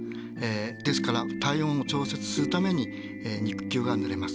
ですから体温を調節するために肉球がぬれます。